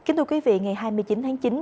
kính thưa quý vị ngày hai mươi chín tháng chín